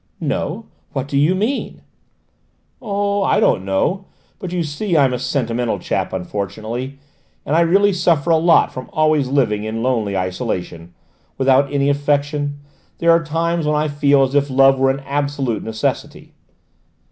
"No. What do you mean?" "Oh, I don't know. But you see, I'm a sentimental chap unfortunately, and I really suffer a lot from always living in lonely isolation, without any affection: there are times when I feel as if love were an absolute necessity."